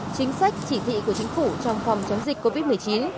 chính sách chỉ thị của chính phủ trong phòng chống dịch covid một mươi chín